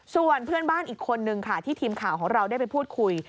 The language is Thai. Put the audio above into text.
ส่วนเพื่อนบ้านอีกคนนึงค่ะที่ทีมข่าวของเราได้ไปพูดคุย